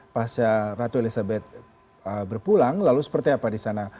pasca ratu elizabeth berpulang lalu seperti apa di sana